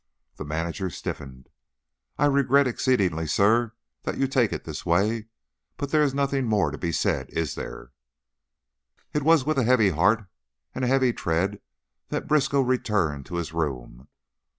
The manager stiffened. "I regret exceedingly, sir, that you take it this way. But there is nothing more to be said, is there?" It was with a heavy heart and a heavy tread that Briskow returned to his room.